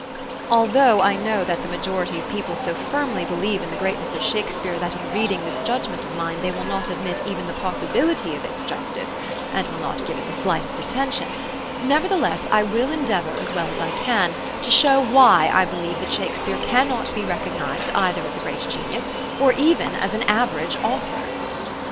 Altho I know that the majority of people so firmly believe in the greatness of Shakespeare that in reading this judgment of mine they will not admit even the possibility of its justice, and will not give it the slightest attention, nevertheless I will endeavor, as well as I can, to show why I believe that Shakespeare can not be recognized either as a great genius, or even as an average author.